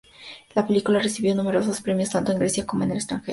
La película recibió numerosos premios, tanto en Grecia como en el extranjero.